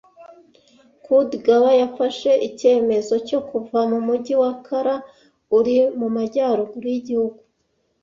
Koudagba yafashe icyemezo cyo kuva mu mujyi wa Kara uri mu majyaruguru y'igihugu